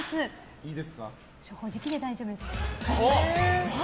正直で大丈夫です。